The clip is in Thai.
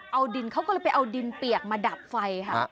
เอาดินเขาก็เลยไปเอาดินเปียกมาดับไฟค่ะ